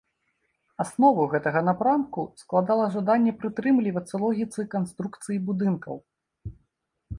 Аснову гэтага напрамку складала жаданне прытрымлівацца логіцы канструкцыі будынкаў.